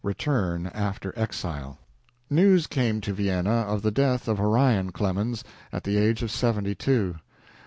RETURN AFTER EXILE News came to Vienna of the death of Orion Clemens, at the age of seventy two.